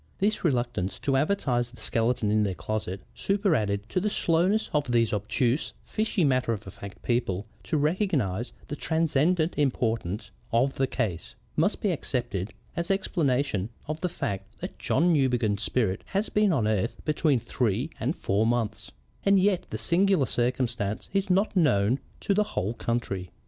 This reluctance to advertise the skeleton in their closet, superadded to the slowness of these obtuse, fishy, matter of fact people to recognize the transcendent importance of the case, must be accepted as explanation of the fact that John Newbegin's spirit has been on earth between three and four months, and yet the singular circumstance is not known to the whole country.